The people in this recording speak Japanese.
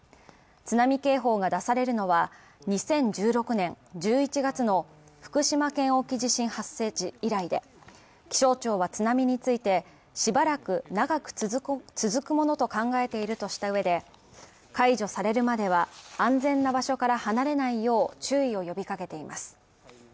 津波警報が出されるのは２０１６年１１月の福島県沖地震発生時以来で、気象庁は津波についてしばらく長く続くものと考えているとした上で、解除されるまでは安全な場所から離れないよう注意を呼びかけています。